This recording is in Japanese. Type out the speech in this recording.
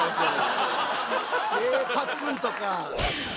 パッツンとか。